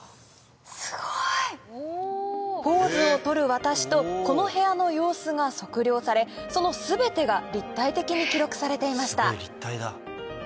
ポーズを取る私とこの部屋の様子が測量されその全てが立体的に記録されていました